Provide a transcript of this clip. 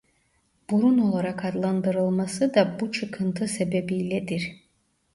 Burun olarak adlandırılması da bu çıkıntı sebebiyledir.